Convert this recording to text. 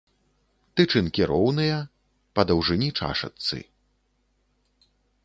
Тычынкі роўныя па даўжыні чашачцы.